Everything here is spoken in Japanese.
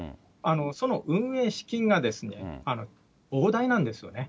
その運営資金が膨大なんですよね。